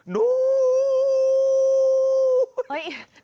วูววววววตรโมง